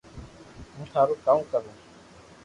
ھون ٿاري ڪاو ڪرو